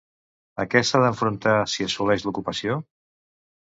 A què s'ha d'enfrontar si assoleix l'ocupació?